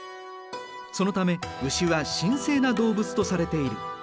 そのため牛は神聖な動物とされている。